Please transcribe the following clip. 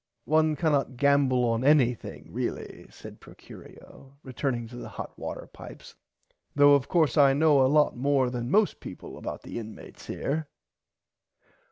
One can not gamble on anything really said Procurio returning to the hot water pipes though of course I know a lot more than most peaple about the inmates here.